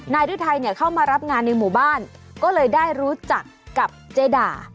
ฤทัยเนี่ยเข้ามารับงานในหมู่บ้านก็เลยได้รู้จักกับเจดา